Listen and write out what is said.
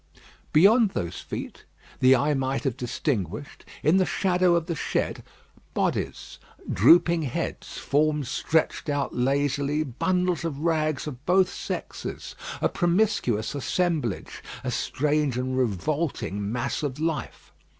Beyond these feet, the eye might have distinguished, in the shadow of the shed, bodies, drooping heads, forms stretched out lazily, bundles of rags of both sexes, a promiscuous assemblage, a strange and revolting mass of life.